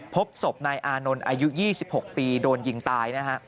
พบศพนายอานนท์อายุ๒๖ปีโดนยิงตายนะฮะ